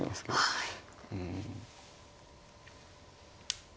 はい。